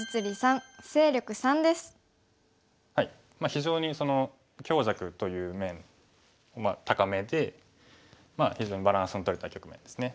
非常に強弱という面高めで非常にバランスのとれた局面ですね。